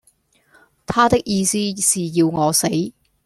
他的意思是要我死。